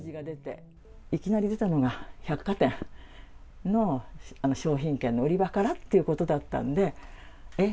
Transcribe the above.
いきなり出たのが、百貨店の商品券の売り場からっていうことだったんで、えっ？